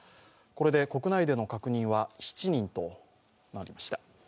これで国内での確認は７人となりました。